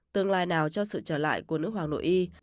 tương lai nào cho sự trở lại của nước hoàng nội